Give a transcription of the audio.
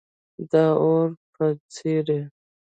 د اور بڅری